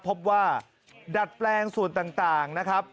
พบว่าดัดแปลงส่วนต่างนะครับ